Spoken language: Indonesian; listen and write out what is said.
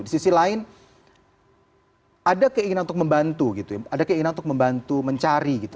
di sisi lain ada keinginan untuk membantu gitu ya ada keinginan untuk membantu mencari gitu